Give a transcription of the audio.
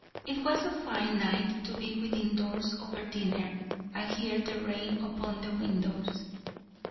It was a fine night to be within doors over dinner, and hear the rain upon the windows.